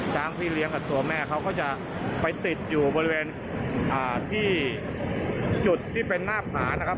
พี่เลี้ยงกับตัวแม่เขาก็จะไปติดอยู่บริเวณที่จุดที่เป็นหน้าผานะครับ